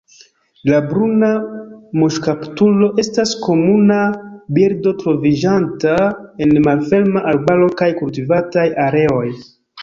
La Bruna muŝkaptulo estas komuna birdo troviĝanta en malferma arbaro kaj kultivataj areoj.